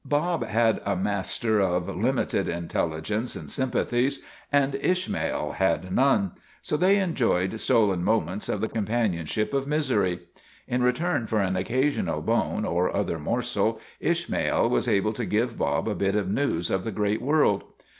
Bob had a master of limited intelligence and sympathies, and Ishmael had none; so they enjoyed stolen mo ments of the companionship of misery. In return for an occasional bone or other morsel Ishmael was able to give Bob a bit of news of the great world.